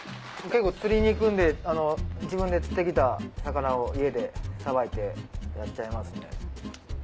結構釣りに行くんで自分で釣ってきた魚を家でさばいてやっちゃいますんで。